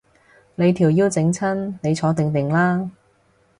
你條腰整親，你坐定定啦